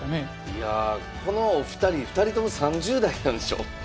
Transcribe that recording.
いやこのお二人２人とも３０代なんでしょ？